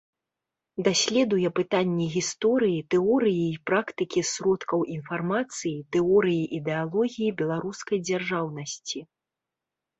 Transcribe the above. Даследуе пытанні гісторыі, тэорыі і практыкі сродкаў інфармацыі, тэорыі ідэалогіі беларускай дзяржаўнасці.